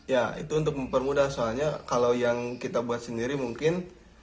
ya itu untuk mempermudah soalnya kalau yang kita buat sendiri mungkin